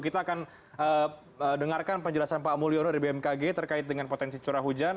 kita akan dengarkan penjelasan pak mulyono dari bmkg terkait dengan potensi curah hujan